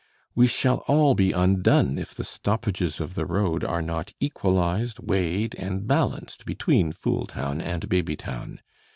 We shall all be undone if the stoppages of the road are not equalized, weighed, and balanced between Fooltown and Babytown.